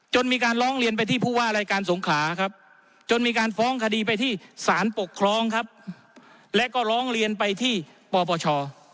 มีการร้องเรียนไปที่ผู้ว่ารายการสงขลาครับจนมีการฟ้องคดีไปที่สารปกครองครับและก็ร้องเรียนไปที่ปปช